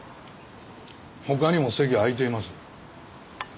ほかにも席空いています。